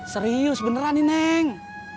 serius beneran nih neng